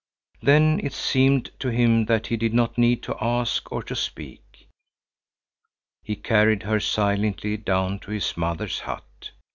Then it seemed to him that he did not need to ask or to speak. He carried her silently down to his mother's hut.